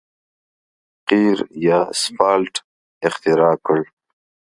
قیر یا سفالټ اختراع کړ.